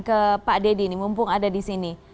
ke pak dedy mumpung ada disini